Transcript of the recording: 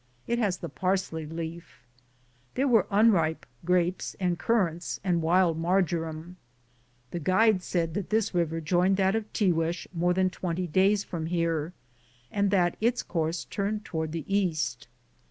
It has the parsley leaf. There were unripe grapes and currants (?) and wild mar joram. The guides said this river joined that cf Tiguex more than 20 days from here, and that its course turned toward the east.